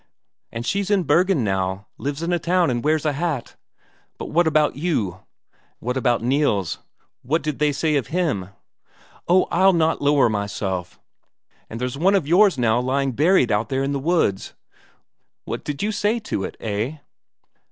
"And she's in Bergen now; lives in a town and wears a hat but what about you?" "What about Nils what did they say of him?" "Oh, I'll not lower myself.... But there's one of yours now lying buried out there in the woods what did you do to it, eh?"